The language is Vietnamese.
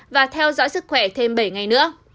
và theo dõi sức khỏe thêm bảy ngày nữa